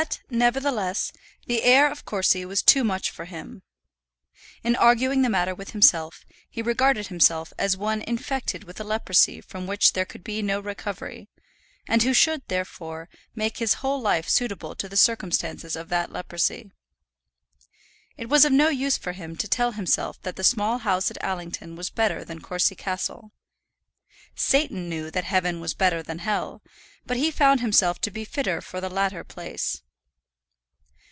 But, nevertheless, the air of Courcy was too much for him. In arguing the matter with himself he regarded himself as one infected with a leprosy from which there could be no recovery, and who should, therefore, make his whole life suitable to the circumstances of that leprosy. It was of no use for him to tell himself that the Small House at Allington was better than Courcy Castle. Satan knew that heaven was better than hell; but he found himself to be fitter for the latter place.